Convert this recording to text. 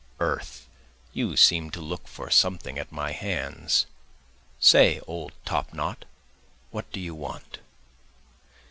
Earth! you seem to look for something at my hands, Say, old top knot, what do you want?